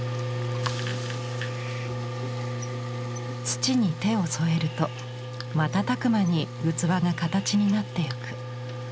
土に手を添えると瞬く間に器が形になっていく。